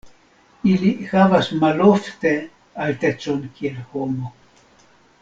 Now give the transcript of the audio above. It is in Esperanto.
Ili havas malofte altecon kiel homo.